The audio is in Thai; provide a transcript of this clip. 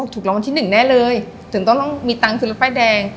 ถูกรองที่หนึ่งแน่เลยถึงต้องต้องมีตังค์สำหรับป้ายแดง